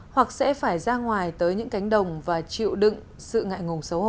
hoặc sẽ phải ra ngoài tới những cánh đồng và chạy